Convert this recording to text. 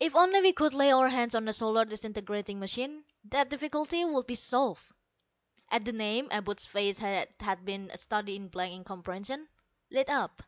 "If only we could lay our hands on a solar disintegrating machine, the difficulty would be solved." At the name, Abud's face, that had been a study in blank incomprehension, lit up.